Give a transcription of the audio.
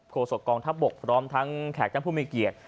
โศกองทัพบกพร้อมทั้งแขกทั้งผู้มีเกียรติ